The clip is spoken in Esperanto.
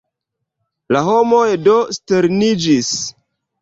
La homoj do sterniĝis.